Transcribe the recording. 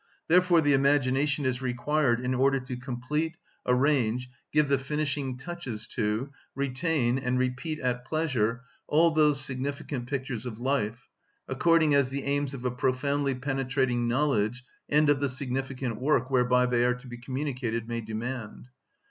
Therefore the imagination is required in order to complete, arrange, give the finishing touches to, retain, and repeat at pleasure all those significant pictures of life, according as the aims of a profoundly penetrating knowledge and of the significant work whereby they are to be communicated may demand.